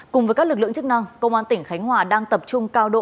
cùng với các lực lượng chức năng công an tỉnh khánh hòa đang tập trung cao độ